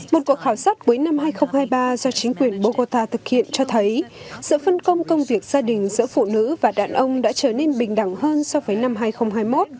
một cuộc khảo sát cuối năm hai nghìn hai mươi ba do chính quyền bogota thực hiện cho thấy sự phân công công việc gia đình giữa phụ nữ và đàn ông đã trở nên bình đẳng hơn so với năm hai nghìn hai mươi một